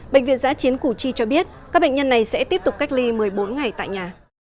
bệnh viện giã chiến củ chi cho biết các bệnh nhân này sẽ tiếp tục cách ly một mươi bốn ngày tại nhà